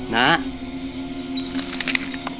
น้า